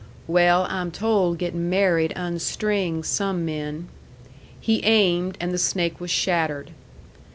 "Well, I'm told getting married unstrings some men." He aimed, and the snake was shattered.